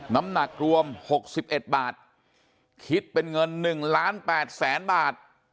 น้ำหนักรวม๖๑บาทคิดเป็นเงิน๑ล้าน๘แสนบาท